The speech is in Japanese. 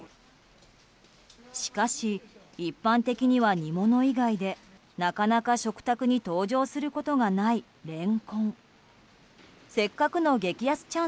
しかし一般的には煮物以外でなかなか食卓に登場することがないレンコン。